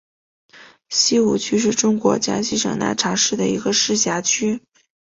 西湖区是中国江西省南昌市的一个市辖区。